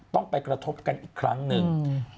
ต้องไปกระทบกันอีกครั้งหนึ่ง